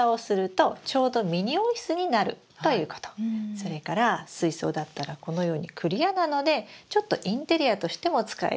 それから水槽だったらこのようにクリアなのでちょっとインテリアとしても使える。